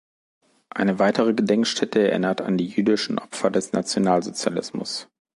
Eine weitere Gedenkstätte erinnert an die jüdischen Opfer des Nationalsozialismus.